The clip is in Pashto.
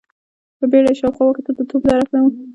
په بيړه يې شاوخوا وکتل، د توپ درک نه و.